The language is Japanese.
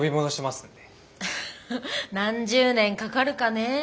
ハハ何十年かかるかねえ。